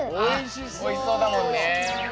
おいしそうだもんね。